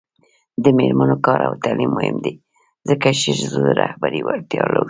د میرمنو کار او تعلیم مهم دی ځکه چې ښځو رهبري وړتیا لوړوي